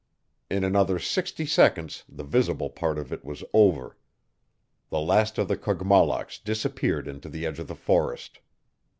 In another sixty seconds the visible part of it was over. The last of the Kogmollocks disappeared into the edge of the forest.